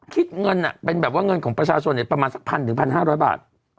คิดเงินเป็นแบบว่าเงินของประชาชนประมาณสัก๑๐๐๑๕๐๐บาท